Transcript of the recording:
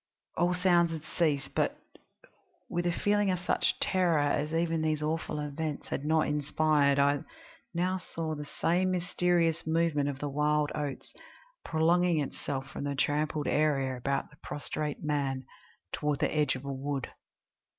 All sounds had ceased, but, with a feeling of such terror as even these awful events had not inspired, I now saw the same mysterious movement of the wild oats prolonging itself from the trampled area about the prostrate man toward the edge of a wood.